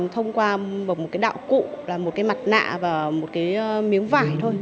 thông qua một cái đạo cụ là một cái mặt nạ và một cái miếng vải thôi